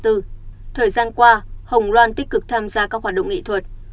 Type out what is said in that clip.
thời gian qua hồng loan tích cực tham gia các hoạt động nghệ thuật